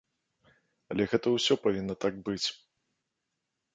Але гэта ўсё павінна так быць.